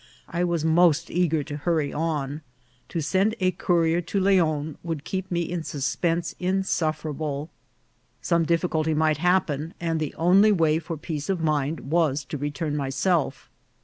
I was most eager to hurry on. To send a cou rier to Leon would keep me in suspense insufferable. Some difficulty might happen, and the only way for peace of mind was to return myself.